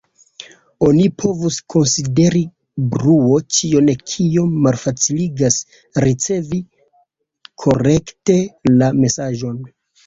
Oni povus konsideri bruo ĉion kio malfaciligas ricevi korekte la mesaĝon.